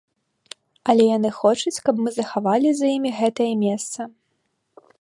Але яны хочуць, каб мы захавалі за імі гэтае месца.